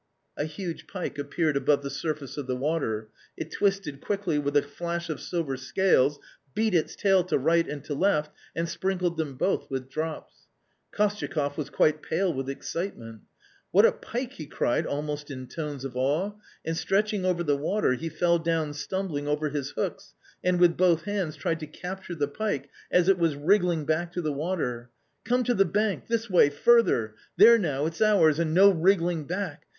A huge pike appeared above the surface of the water. It twisted quickly with a flash of silver scales, beat its tail to right and to left, and sprinkled them both with drops. Kostyakoff was quite pale with excitement. " What a pike !" he cried almost in tones of awe, and stretching over the water he fell down stumbling over his hooks, and with both hands tried to capture the pike as it was wriggling back to the water. " Come to the bank, this way, further ! there now, it's ours, and no wriggling back.